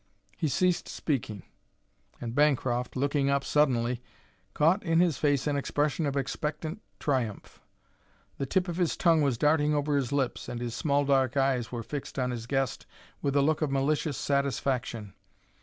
He ceased speaking, and Bancroft, looking up suddenly, caught in his face an expression of expectant triumph. The tip of his tongue was darting over his lips, and his small dark eyes were fixed on his guest with a look of malicious satisfaction.